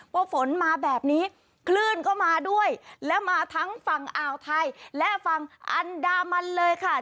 พอฝนมาแบบนี้คลื่นก็มาด้วยและมาทั้งฝั่งอ่าวไทยและฝั่งอันดามันเลยค่ะ